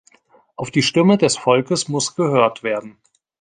Auf die Stimme des Volkes muss gehört werden.